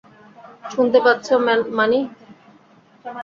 শুনতে পাচ্ছো মানি?